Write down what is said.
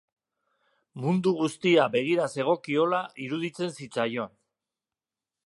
Mundu guztia begira zegokiola iruditzen zitzaion.